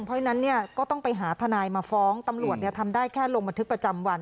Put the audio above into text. เพราะฉะนั้นเนี่ยก็ต้องไปหาทนายมาฟ้องตำรวจทำได้แค่ลงบันทึกประจำวัน